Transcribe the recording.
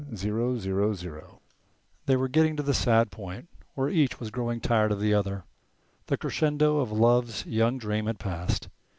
"Mount Vernon 1 0 0 0" They were getting to the sad point where each was growing tired of the other. The crescendo of love's young dream had passed.